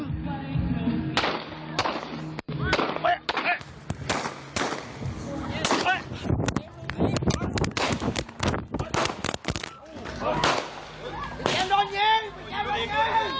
พี่เกียร์โดนยิงพี่เกียร์โดนยิง